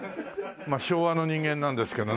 まあ昭和の人間なんですけどね。